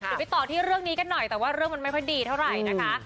เดี๋ยวไปต่อที่เรื่องนี้กันหน่อยแต่ว่าเรื่องมันไม่ค่อยดีเท่าไหร่นะคะ